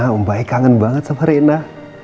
rena om baik kangen banget sama rena